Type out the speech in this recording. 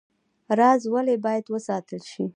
راز ولې باید وساتل شي؟